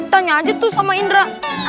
tanya aja tuh sama indra